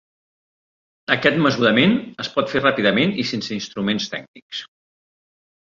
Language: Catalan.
Aquest mesurament es pot fer ràpidament i sense instruments tècnics.